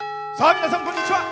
皆さん、こんにちは。